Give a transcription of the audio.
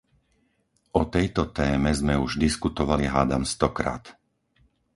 O tejto téme sme už diskutovali hádam stokrát.